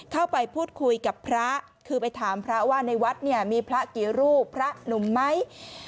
เข้าไปพูดคุยกับพระคือไปถามพระว่าในวัดเนี่ยมีพระกี่รูปพระหนุ่มไหม